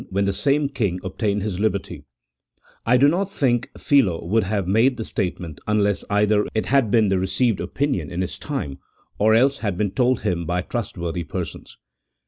when the same king obtained his liberty : I do not think Philo would have made the statement unless either it had been the received opinion in his time, or else had been told him by trust worthy persons.